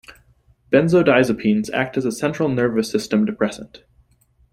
Benzodiazepines act as a central nervous system depressant.